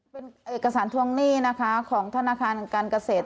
เป็นเอกสารทวงหนี้นะคะของธนาคารการเกษตร